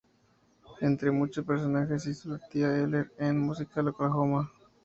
Entre muchos personajes, hizo la tía Eller en el musical "Oklahoma!